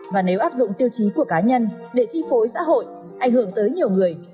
và nếu áp dụng tiêu chí của cá nhân để chi phối xã hội ảnh hưởng tới nhiều người